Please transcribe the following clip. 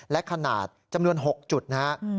และขนาดจำนวน๖จุดนะครับ